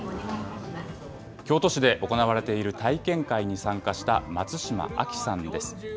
京都市で行われている体験会に参加した、松島亜希さんです。